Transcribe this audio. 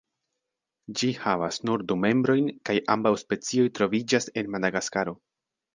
Ĝi havas nur du membrojn kaj ambaŭ specioj troviĝas en Madagaskaro.